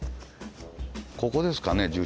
ここですかね？